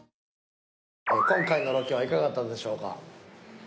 今回のロケはいかがだったでしょうか？